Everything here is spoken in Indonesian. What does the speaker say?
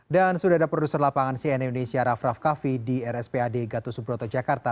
dan sudah ada produser lapangan cni indonesia raff raff kaffi di rspad gatot subroto jakarta